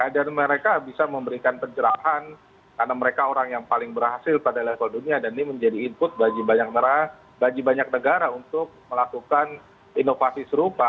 dan mereka bisa memberikan pencerahan karena mereka orang yang paling berhasil pada level dunia dan ini menjadi input bagi banyak negara untuk melakukan inovasi serupa